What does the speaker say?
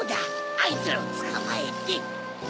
あいつらをつかまえて。